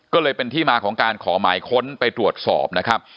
ก็เลยเป็นที่มาของการขอหมายค้นไปตรวจสอบนะครับ